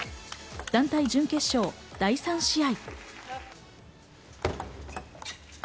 団体準決勝、第３試合。